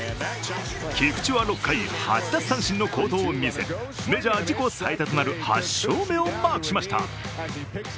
菊池は６回、８奪三振の好投を見せメジャー自己最多となる８勝目をマークしました。